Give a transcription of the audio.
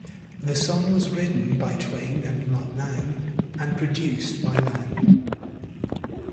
The song was written by Twain and Mutt Lange and produced by Lange.